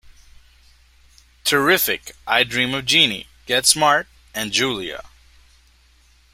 Terrific", "I Dream of Jeannie", "Get Smart", and "Julia".